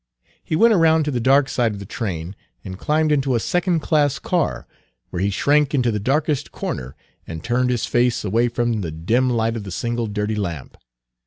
He went around to the dark side of the train, and climbed into a second class car, where he shrank into the darkest corner and turned his face away from the dim light of the single dirty lamp.